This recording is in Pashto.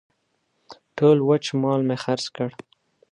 ټول وچ مال مې خرڅ کړ.